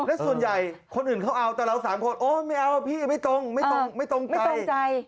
และส่วนใหญ่คนอื่นเขาเอาแต่เรา๓คนไม่เอาพี่ไม่ตรงไม่ตรงใจ